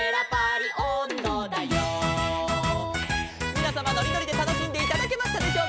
「みなさまのりのりでたのしんでいただけましたでしょうか」